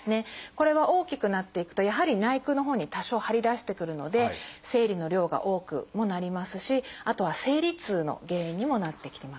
これは大きくなっていくとやはり内腔のほうに多少張り出してくるので生理の量が多くもなりますしあとは生理痛の原因にもなってきます。